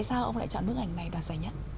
lý do tại sao ông lại chọn bức ảnh này đạt giành nhất